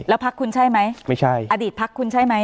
แล้วพรรคคุณใช่ไหมอดีตพรรคคุณใช่ไหม